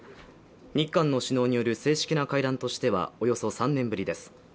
日韓の首脳による正式な会談としてはおよそ３年ぶりです。